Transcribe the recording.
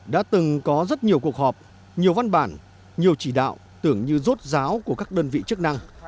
đã từng có rất nhiều cuộc họp nhiều văn bản nhiều chỉ đạo tưởng như rốt ráo của các đơn vị chức năng